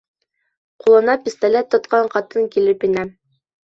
Ҡулына пистолет тотҡан ҡатын килеп инә.